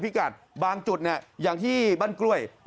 โอ้ยน้ำแรงมากเลย